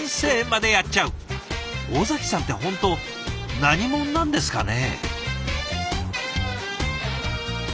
尾崎さんって本当何者なんですかね？